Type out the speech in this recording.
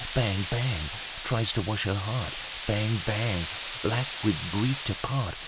Bang! Bang! Tries to wash her heart. Bang! Bang! Black with grief to part."